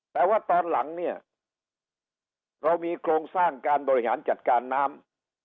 แต่ว่าตอนหลังเนี่ยเรามีโครงสร้างการบริหารจัดการน้ำ